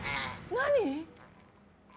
何？